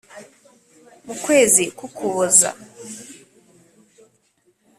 mu kwezi k Ukuboza